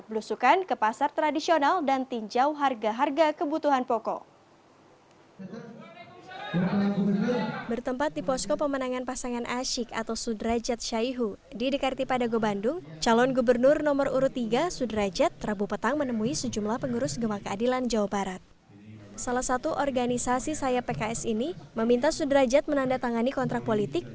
belusukan ke pasar tradisional dan tinjau harga harga kebutuhan pokok